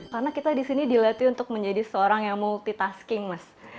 karena kita di sini dilatih untuk menjadi seorang yang multitasking mas